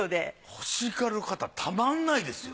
欲しがる方たまんないですよ。